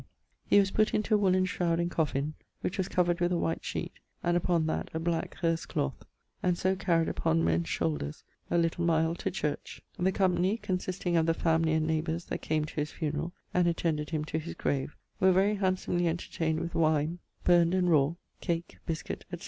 He was put into a woollen shroud and coffin, which was covered with a white sheet, and upon that a black herse cloth, and so carryed upon men's shoulders, a little mile to church. The company, consisting of the family and neighbours that came to his funerall, and attended him to his grave, were very handsomely entertained with wine, burned and raw, cake, biscuit, etc.